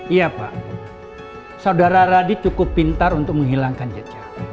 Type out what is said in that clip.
iya pak saudara radi cukup pintar untuk menghilangkan jejak